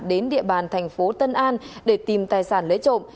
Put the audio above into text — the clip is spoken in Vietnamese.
đến địa bàn thành phố tân an để tìm tài sản lấy trộm